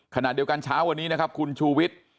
ขณะเดียวกันเช้าวันนี้นะครับคุณชูวิทย์